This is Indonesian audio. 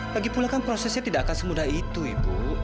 lagipula kan prosesnya tidak akan semudah itu ibu